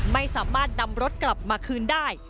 ไม่สามารถนำรถกลับมาคืนได้